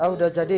oh udah jadi